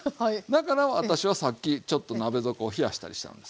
だから私はさっきちょっと鍋底を冷やしたりしたんですよ。